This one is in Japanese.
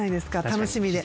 楽しみで。